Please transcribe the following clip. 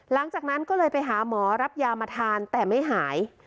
หลังจากนั้นก็เลยไปหาหมอรับยามาทานแต่ไม่หาย